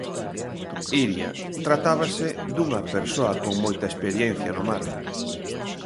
Iria, tratábase dunha persoa con moita experiencia no mar.